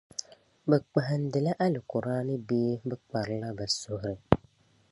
Bɛ kpahindila Alkur’aani, bee bε kparila bε suhiri?